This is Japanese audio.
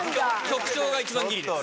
局長が一番ギリです。